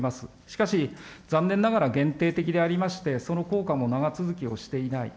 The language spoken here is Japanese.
しかし、残念ながら限定的でありまして、その効果も長続きをしていない。